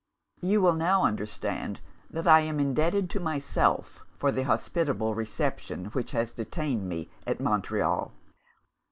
You will now understand that I am indebted to myself for the hospitable reception which has detained me at Montreal.